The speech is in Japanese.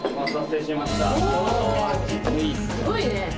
すごいね。